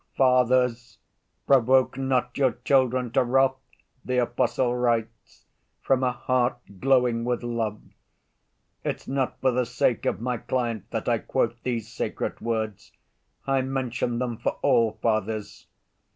" 'Fathers, provoke not your children to wrath,' the apostle writes, from a heart glowing with love. It's not for the sake of my client that I quote these sacred words, I mention them for all fathers.